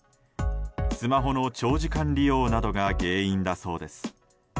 スマホの長時間利用などが原因だそうです。